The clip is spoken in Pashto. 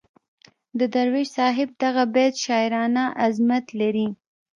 د درویش صاحب دغه بیت شاعرانه عظمت لري.